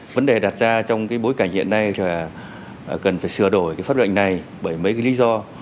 vấn đề đặt ra trong bối cảnh hiện nay là cần phải sửa đổi cái pháp lệnh này bởi mấy cái lý do